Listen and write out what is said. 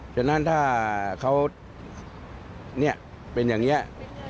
ฉะนั้นถ้าเขาเนี่ยเป็นอย่างเงี้ย